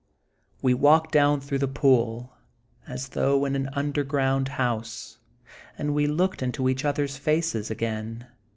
We walked down through the pool, as though into an underground house, and we looked into each others faces again.